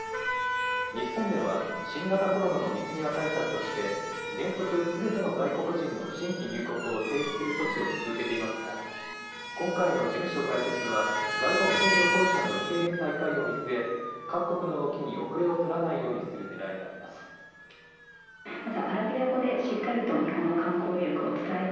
日本では新型コロナの水際対策として原則すべての外国人の新規入国を停止する措置を続けていますが今回の事務所開設は外国人旅行者の受け入れ再開を見据え各国の動きに遅れを取らないようにするねらいがあります。